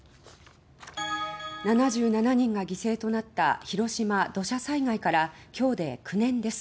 ７７人が犠牲となった広島土砂災害から今日で９年です。